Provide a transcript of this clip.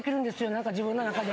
なんか自分の中で。